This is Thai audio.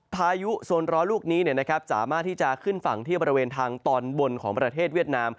พายุโซนร้อนลูกนี้สามารถที่จะขึ้นฝั่งที่บริเวณทางตอนบนของประเทศเวียดนาม